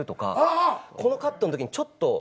このカットのときにちょっと。